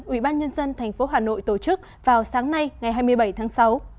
ủy ban nhân dân tp hà nội tổ chức vào sáng nay ngày hai mươi bảy tháng sáu